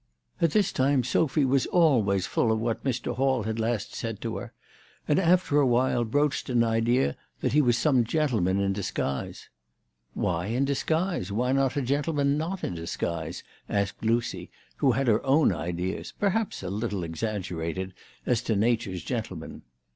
At this time Sophy was always full of what Mr. Hall had last said to her ; and after awhile broached THE TELEGRAPH GIRL. 279 an idea that he was some gentleman in disguise. " Why in disguise ? Why not a gentleman not in disguise ?" asked Lucy, who had her own ideas, perhaps a little exaggerated, as to Nature's gentlemen.